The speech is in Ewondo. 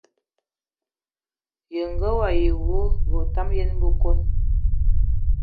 Ye ngə wayi wu, və otam yən bəkon.